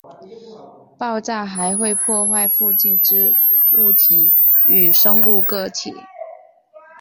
爆炸还会破坏附近之物体与生物个体。